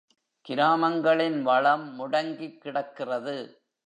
கிராமங்களின் வளம் முடங்கிக் கிடக்கிறது.